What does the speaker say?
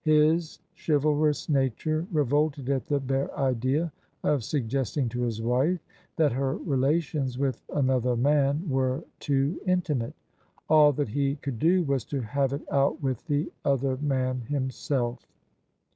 His chivalrous nature revolted at the bare idea of suggesting to his wife that her relations with another man were too intimate: all that he could do was to have it out with the other man himself.